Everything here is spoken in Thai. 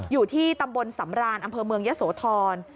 อยู่ที่ตำบลสำรานอำเภอเมืองยะโสธร